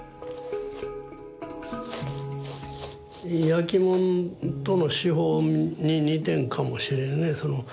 焼きもんとの手法に似てるんかもしれんね。